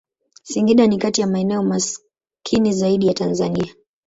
Singida ni kati ya maeneo maskini zaidi ya Tanzania.